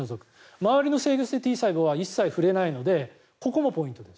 周りの制御性Ｔ細胞は一切触れないのでここもポイントです。